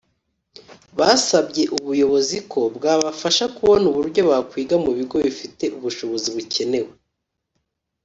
Basabye ubuyobozi ko bwabafasha kubona uburyo bakwiga mu bigo bifite ubushobozi bukenewe